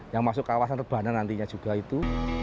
yang masuk kawasan rebana nantinya juga itu